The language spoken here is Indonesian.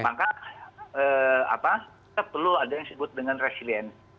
maka apa kita perlu ada yang disebut dengan resiliensi